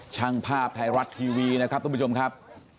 ช่างภาพไทยรัฐทีวีนะครับทุกผู้ชมครับ